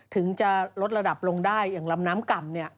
ถึงจะลดระดับลงได้อย่างลำน้ำก่ำเนี่ย